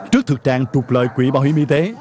trước thực trạng trục lợi quỹ bảo hiểm y tế